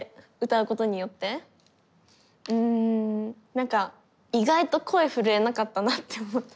なんか意外と声震えなかったなって思った。